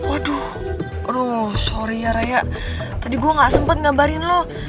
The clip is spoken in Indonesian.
aduh sorry ya raya tadi gue gak sempet ngabarin lo